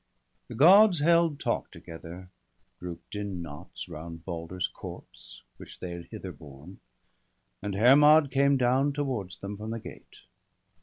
'"PHE Gods held talk together, group'd in knots, Round Balder's corpse, which they had thither borne ; And Hermod came down towards them from the gate.